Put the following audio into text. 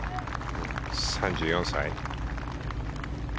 ３４歳。